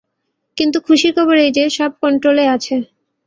কিন্তু খুশির খবর এই যে, সব কন্ট্রোলে আছে।